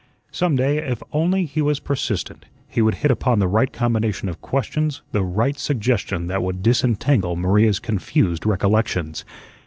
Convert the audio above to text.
Some day, if only he was persistent, he would hit upon the right combination of questions, the right suggestion that would disentangle Maria's confused recollections.